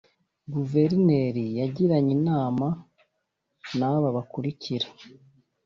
Guverineri yagiranye inama n’ aba bakurikira